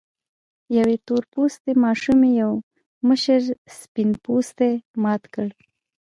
يوې تور پوستې ماشومې يو مشر سپين پوستي مات کړ.